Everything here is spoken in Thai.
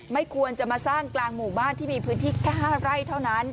ไม่ควรจะมาสร้างกลางหมู่บ้านที่มีพื้นที่แค่๕ไร่เท่านั้น